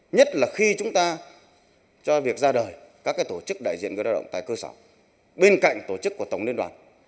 nhất là khi chúng ta cho việc ra đời các tổ chức đại diện người lao động tại cơ sở bên cạnh tổ chức của tổng liên đoàn